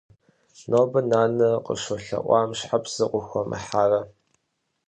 Нобэ нанэ къыщолъэӀуам щхьэ псы къыхуумыхьарэ?